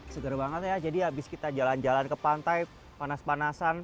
seger banget ya jadi abis kita jalan jalan ke pantai panas panasan